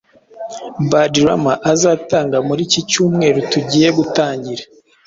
bad rama azatanga muri iki cyumweru tugiye gutangira